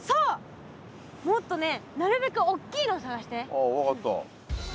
ああ分かった。